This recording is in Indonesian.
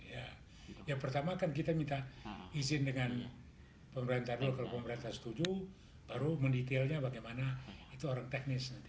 ya yang pertama kan kita minta izin dengan pemerintah dulu kalau pemerintah setuju baru mendetailnya bagaimana itu orang teknis nanti